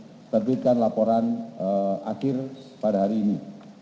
hingga selesai dan diterbitkan laporan akhir pada hari ini